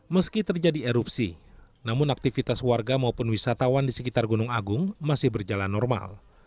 meski terjadi erupsi namun aktivitas warga maupun wisatawan di sekitar gunung agung masih berjalan normal